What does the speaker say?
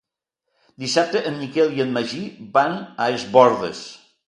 Dissabte en Miquel i en Magí van a Es Bòrdes.